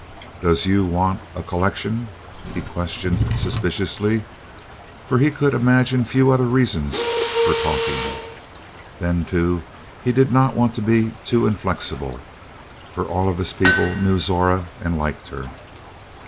"Does you want a collection?" he questioned suspiciously, for he could imagine few other reasons for talking. Then, too, he did not want to be too inflexible, for all of his people knew Zora and liked her.